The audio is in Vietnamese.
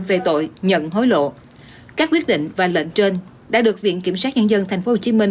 về tội nhận hối lộ các quyết định và lệnh trên đã được viện kiểm sát nhân dân tp hcm